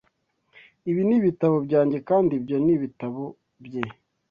Ibi ni ibitabo byanjye, kandi ibyo ni ibitabo bye.